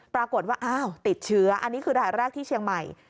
ปรากฏว่าอ้าวติดเชื้ออันนี้คือรายแรกที่เชียงใหม่